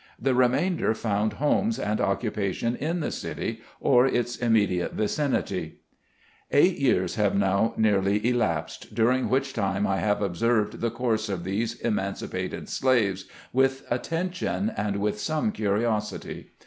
The remainder found homes and occupa tion in the city, or its immediate vicinity. INTRODUCTORY NOTE. 149 Eight years have now nearly elapsed, during which time I have observed the course of these emancipated slaves with attention and with some curiosity.